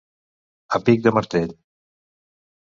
A pic de martell.